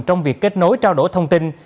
trong việc kết nối trao đổi thông tin